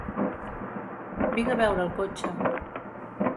Vinc a veure el cotxe.